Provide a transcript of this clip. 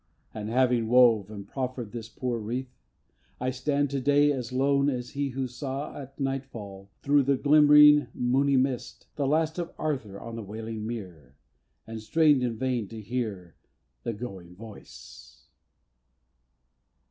And having wove and proffered this poor wreath, I stand to day as lone as he who saw At nightfall, through the glimmering moony mist, The last of Arthur on the wailing mere, And strained in vain to hear the going voice.